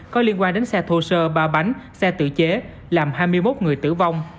có liên quan đến xe thô sơ ba bánh xe tự chế làm hai mươi một người tử vong